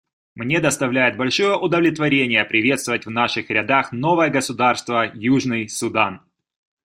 Мне доставляет большое удовлетворение приветствовать в наших рядах новое государство — Южный Судан.